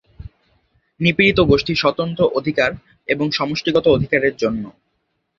নিপীড়িত গোষ্ঠীর স্বতন্ত্র অধিকার এবং সমষ্টিগত অধিকারের জন্য।